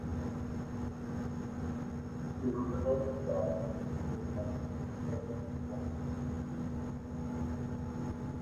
She was the eldest daughter of Field Marshal Herbert Plumer.